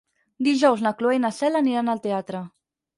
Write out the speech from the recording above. Dijous na Cloè i na Cel aniran al teatre.